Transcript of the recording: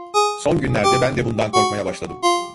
Son günlerde ben de bundan korkmaya başladım.